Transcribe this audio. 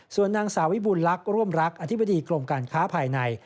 ส่วนนางสาวิบุญลักษณ์ร่วมรักอธิบดีกรมการค้าภายใน